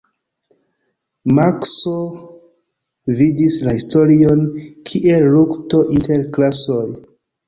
Markso vidis la historion kiel lukto inter klasoj.